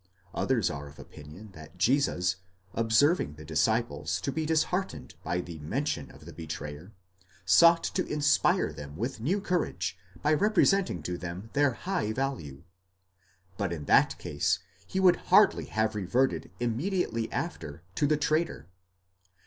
Others are of opinion that Jesus, observing the disciples to be disheartened by the mention of the betrayer, sought to inspire them with new courage by representing to them their high vaiue ;® but in that case he would hardly have reverted immediately after to the traitor.